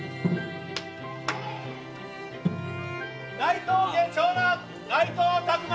内藤家長男内藤托麻。